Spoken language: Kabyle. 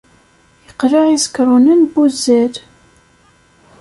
Iqleɛ iẓekrunen n wuzzal.